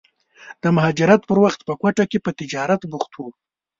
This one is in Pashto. د مهاجرت پر وخت په کوټه کې په تجارت بوخت و.